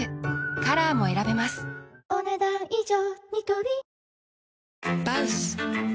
カラーも選べますお、ねだん以上。